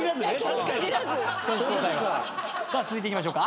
続いていきましょうか。